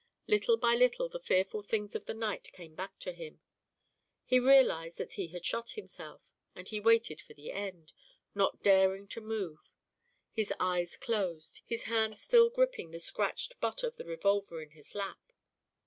Little by little the fearful things of the night came back to him; he realized that he had shot himself, and he waited for the end, not daring to move, his eyes closed, his hand still gripping the scratched butt of the revolver in his lap.